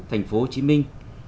thành phố hồ chí minh